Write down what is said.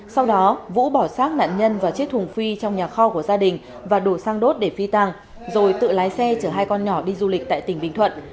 sau đó vũ bỏ sát nạn nhân và chiếc thùng phi trong nhà kho của gia đình và đổ xăng đốt để phi tàng rồi tự lái xe chở hai con nhỏ đi du lịch tại tỉnh bình thuận